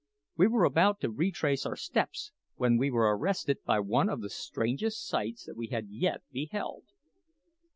We were about to retrace our steps when we were arrested by one of the strangest sights that we had yet beheld.